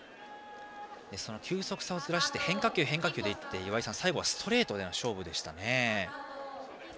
球速差をずらして変化球、変化球で行って岩井さん、最後はストレートでの勝負でしたね。